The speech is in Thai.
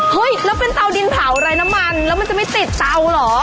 เฮ้ยแล้วเป็นเตาดินเผาไรน้ำมันแล้วมันจะไม่ติดเตาเหรอ